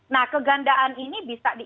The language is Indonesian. nah kegandaan ini bisa di